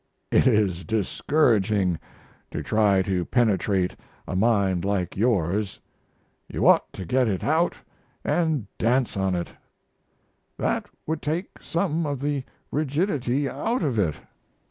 It is discouraging to try to penetrate a mind like yours. You ought to get it out & dance on it. That would take some of the rigidity out of it.